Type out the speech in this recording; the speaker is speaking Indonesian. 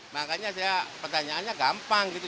makanya saya pertanyaannya gampang gitu